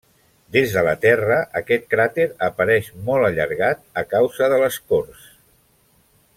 Des de la Terra aquest cràter apareix molt allargat a causa de l'escorç.